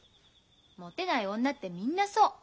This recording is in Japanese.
もてない女ってみんなそう。